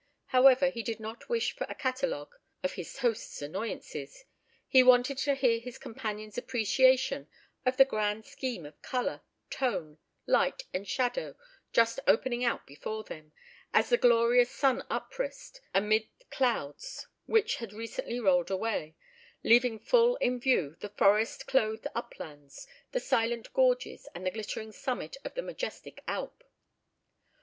However he did not wish for a catalogue of his host's annoyances. He wanted to hear his companion's appreciation of the grand scheme of colour, tone, light and shadow, just opening out before them, as the "glorious sun uprist" amid clouds which had recently rolled away, leaving full in view the forest clothed uplands, the silent gorges, and the glittering summit of the majestic alp.